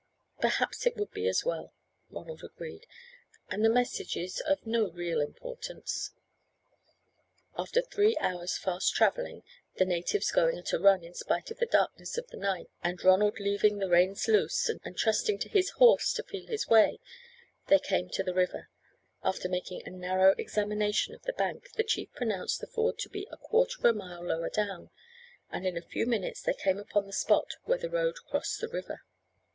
"Perhaps it would be as well," Ronald agreed; "and the message is of no real importance." After three hours' fast travelling the natives going at a run, in spite of the darkness of the night, and Ronald leaving the reins loose, and trusting to his horse to feel his way they came to the river; after making a narrow examination of the bank, the chief pronounced the ford to be a quarter of a mile lower down, and in a few minutes they came upon the spot where a road crossed the river.